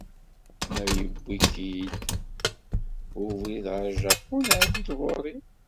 Ma yewwi-k-id ubrid ɣer Japun, εeddi-d ɣur-i.